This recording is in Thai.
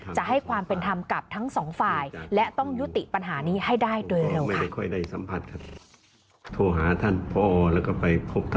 จะให้ความเป็นธรรมกับทั้งสองฝ่ายและต้องยุติปัญหานี้ให้ได้โดยเร็ว